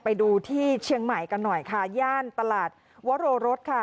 ไปดูที่เชียงใหม่กันหน่อยค่ะย่านตลาดวโรรสค่ะ